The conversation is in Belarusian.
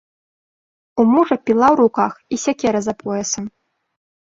У мужа піла ў руках і сякера за поясам.